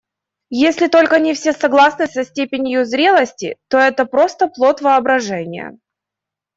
Если только не все согласны со степенью зрелости, то это просто плод воображения.